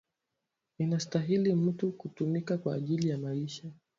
Inastahili mutu kutumika kwa ajili ya maisha